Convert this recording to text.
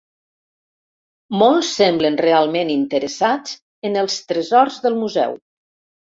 Molts semblen realment interessats en els tresors del museu.